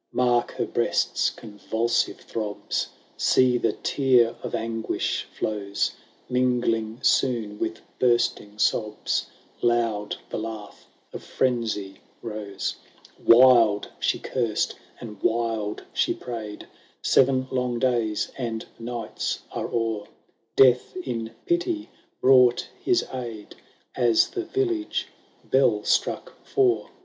Mark her breast's convulsive throbs ! See, the tear of anguish flows !— Mingling soon with bursting sobs, Loud the laugh of frenzy rose. "Wild she cursed and wild she prayed : Seven long days and nights are o'er; Death in pity brought his aid, As the village bell struck four.